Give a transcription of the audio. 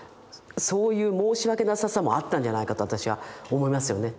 そういう申し訳なささもあったんじゃないかと私は思いますよね。